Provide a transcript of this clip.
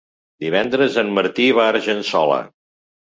Divendres en Martí va a Argençola.